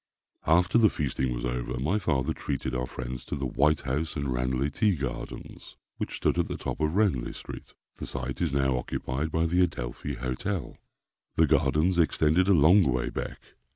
After the feasting was over my father treated our friends to the White House and Ranelagh Tea Gardens, which stood at the top of Ranelagh street. The site is now occupied by the Adelphi Hotel. The gardens extended a long way back.